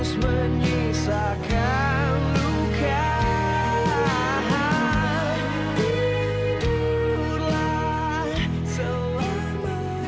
kita juga sekarang ga lebih luar ny succeeding